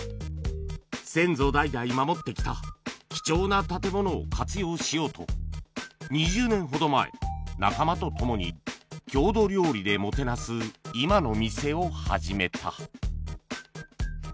先祖代々守ってきた貴重な建物を活用しようと２０年ほど前仲間と共に郷土料理でもてなす今の店を始めた